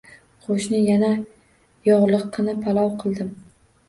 Qoʻshni, mana yogʻliqqina palov qildim.